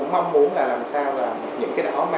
mang có những cái dữ liệu này